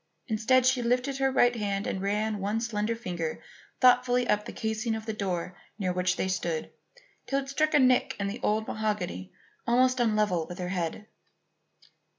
Instead, she lifted her right hand and ran one slender finger thoughtfully up the casing of the door near which they stood till it struck a nick in the old mahogany almost on a level with her head.